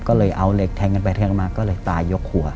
ก็เลยเอาเหล็กแทงกันไปแทงกันมาก็เลยตายยกหัว